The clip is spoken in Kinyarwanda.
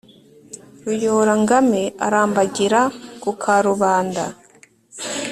ruyora ngame arambagira ku ka rubanda